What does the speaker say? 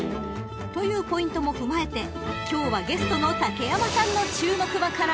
［というポイントも踏まえて今日はゲストの竹山さんの注目馬から］